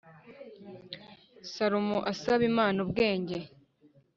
Salomo asaba Imana ubwenge